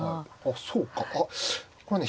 そうかあっこれはね